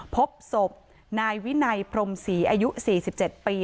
พบศพนายวินัยพรมศรีอายุ๔๗ปี